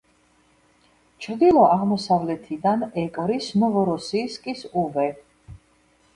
ჩრდილო-აღმოსავლეთიდან ეკვრის ნოვოროსიისკის უბე.